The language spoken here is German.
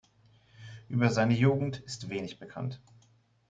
Über seine Jugend ist wenig bekannt.